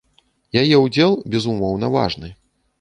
Яе ўдзел, безумоўна, важны.